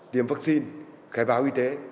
tiếm vaccine khai báo y tế